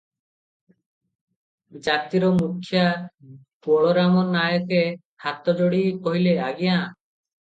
ଜାତିର ମୁଖ୍ୟା ବଳରାମ ନାୟକେ ହାତଯୋଡି କହିଲେ, "ଆଜ୍ଞା!